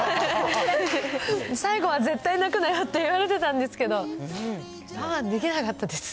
最後は絶対、泣くなよって言われてたんですけど、できなかったです。